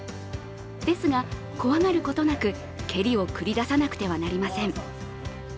ですが、怖がることなく蹴りを繰り出さなくてはなりません。